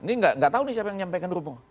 ini gak tau nih siapa yang menyampaikan berhubung